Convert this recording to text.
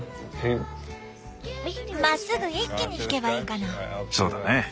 まっすぐ一気に引けばいいかな。